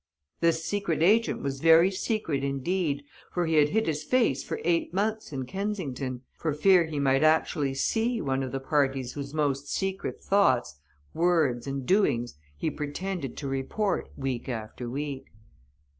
This secret agent was very secret indeed, for he had hid his face for eight months in Kensington, for fear he might actually see one of the parties whose most secret thoughts, words and doings, he pretended to report week after week.